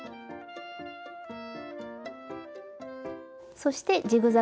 そしてジグザグ